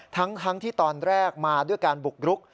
ทั้งที่ตอนแรกมาด้วยการบุกรุก